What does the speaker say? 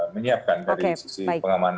menyiapkan dari sisi pengamanan